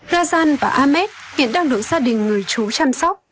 rajan và ahmed hiện đang được gia đình người chú chăm sóc